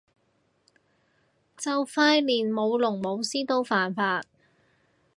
就快連舞龍舞獅都犯法